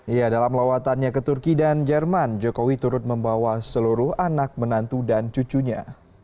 ya dalam lawatannya ke turki dan jerman jokowi turut membawa seluruh anak menantu dan cucunya